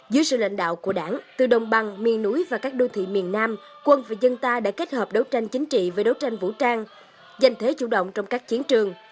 dưới sự lãnh đạo của đảng từ đồng bằng miền núi và các đô thị miền nam quân và dân ta đã kết hợp đấu tranh chính trị với đấu tranh vũ trang giành thế chủ động trong các chiến trường